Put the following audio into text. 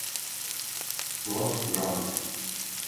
Flors grogues.